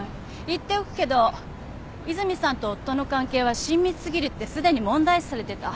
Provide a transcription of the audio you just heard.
言っておくけど和泉さんと夫の関係は親密過ぎるってすでに問題視されてた。